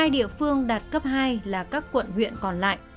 một mươi hai địa phương đạt cấp hai là các quận huyện còn lại